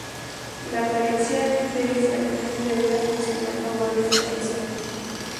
La carencia de distracciones de veras funciono en favor de este episodio.